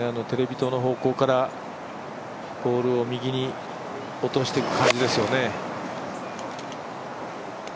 テレビ塔の方向からボールを右に落としていく感じですね。